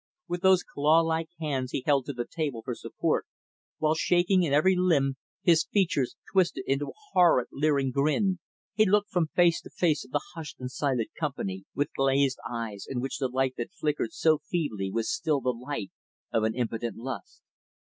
With those claw like hands he held to the table for support; while shaking in every limb, his features twisted into a horrid, leering grin he looked from face to face of the hushed and silent company; with glazed eyes in which the light that flickered so feebly was still the light of an impotent lust.